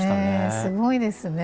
すごいですね。